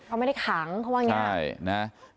เขาไม่ได้ขังเขาว่าอย่างนี้นะ